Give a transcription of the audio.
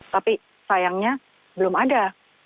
tapi sayangnya belum ada